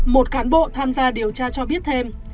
một cán bộ tham gia điều tra cho biết thêm